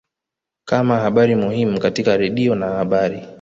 kama habari muhimu katika radio na habari